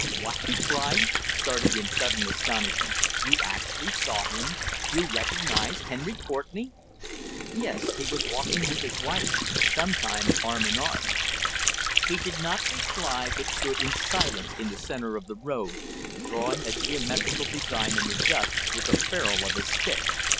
"What?" he cried, starting in sudden astonishment. "You actually saw him? You recognised Henry Courtenay!" "Yes. He was walking with his wife, sometimes arm in arm." He did not reply, but stood in silence in the centre of the road, drawing a geometrical design in the dust with the ferrule of his stick.